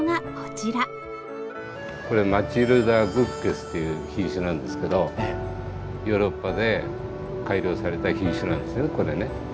これ「マチルダ・グッゲス」という品種なんですけどヨーロッパで改良された品種なんですよこれね。